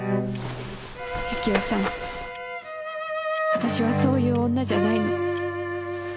私はそういう女じゃないの。